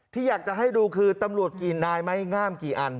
ที่อยากจะให้ดูคือตำรวจกี่นายไหมง่ามกี่อัน